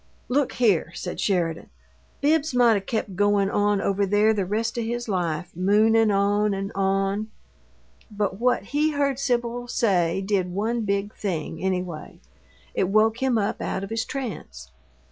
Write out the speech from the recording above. "Look, here!" said Sheridan. "Bibbs might 'a' kept goin' on over there the rest of his life, moonin' on and on, but what he heard Sibyl say did one big thing, anyway. It woke him up out of his trance.